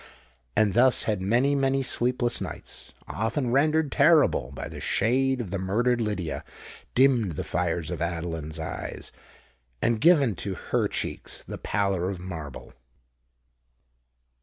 And thus had many—many sleepless nights—often rendered terrible by the shade of the murdered Lydia—dimmed the fires of Adeline's eyes, and given to her cheeks the pallor of marble!